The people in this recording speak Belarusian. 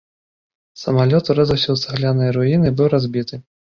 Самалёт урэзаўся ў цагляныя руіны і быў разбіты.